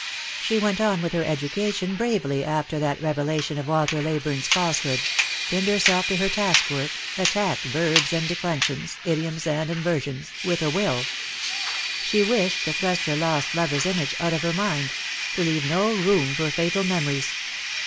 She went on with her education bravely after that revelation of Walter Leyburne's falsehood ; pinned herself to her taskwork, attacked verbs and declensions, idioms and inversions, with a Lost for Love. 227 will. She wished to thrust her lost lover's image out of her mind — to leave no room for fatal memories.